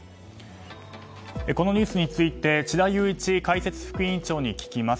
このニュースについて智田裕一解説副委員長に聞きます。